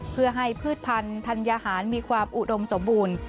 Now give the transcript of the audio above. เพื่อให้พืชพันธัญหารมีความอุดมสมบูรณ์